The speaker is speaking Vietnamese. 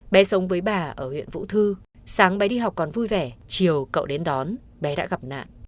bé sống với bà ở huyện vũ thư sáng bé đi học còn vui vẻ chiều cậu đến đón bé đã gặp nạn